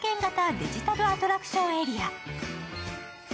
デジタルアトラクションエリア。